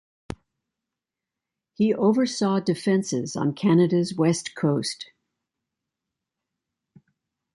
He oversaw defences on Canada's West Coast.